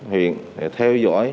huyện theo dõi